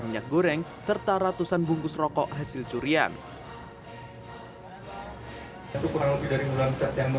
minyak goreng serta ratusan bungkus rokok hasil curian itu kurang lebih dari bulan september